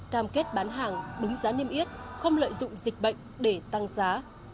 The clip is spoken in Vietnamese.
cam kết bán hàng đúng giá niêm yết không lợi dụng dịch bệnh để tăng giá